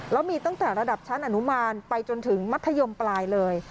แล้วมีตั้งแต่ระดับชั้นอนุมานไปจนถึงมัธยมปลายเลย